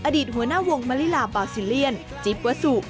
อดีตหัวหน้าวงมะลิลาบาลซีเลียนจิ๊บวัสสุ